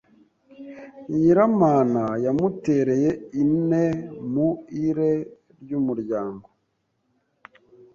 Nyiramana yamutereye intee mu iree ry’umuryango